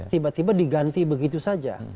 jadi itu diganti begitu saja